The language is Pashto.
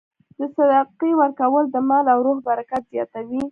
د صدقې ورکول د مال او روح برکت زیاتوي.